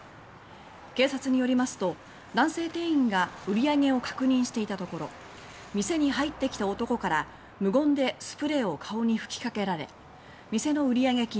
警察によりますと男性店員が売り上げを確認していたところ店に入ってきた男から無言でスプレーを顔に吹きかけられ店の売上金